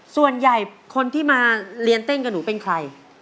ส่วนใหญ่คนที่มาเรียนเต้นกับหนูเป็นใคร